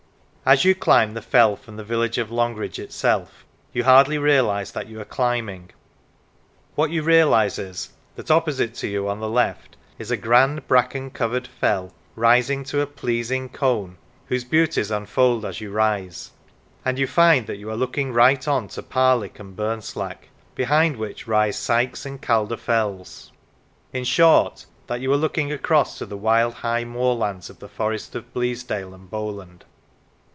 As you climb the fell from the village of Longridge itself, you hardly realise that you are climbing. What you realise is that opposite to you on the left is a grand bracken covered fell, rising to a pleasing cone, 217 EE Lancashire whose beauties unfold as you rise, and you find that you are looking right on to Parlick and Burnslack, behind which rise Sykes and Calder Fells; in short, that you are looking across to the wild high moorlands of the Forests of Bleasdale and Bowland.